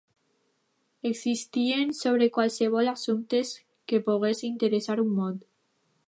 Existien sobre qualssevol assumptes que pogués interessar un mod.